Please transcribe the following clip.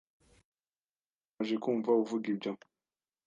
Birambabaje kumva uvuga ibyo.